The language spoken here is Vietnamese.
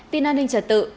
tin an ninh trả tự